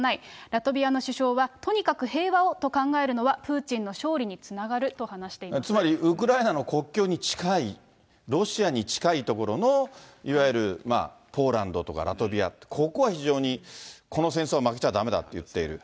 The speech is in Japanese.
ラトビアの首相は、とにかく平和をと考えるのはプーチンの勝利につながると話していつまり、ウクライナの国境に近い、ロシアに近い所のいわゆるポーランドとかラトビア、ここは非常にこの戦争は負けちゃだめだって言っている。